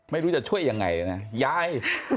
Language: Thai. ไม่รู้จะช่วยยังไงนะยาย